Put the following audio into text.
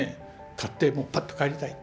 買ってもうパッと帰りたい。